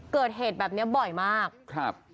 เกิดเหตุแบบเนี้ยบ่อยมากครับ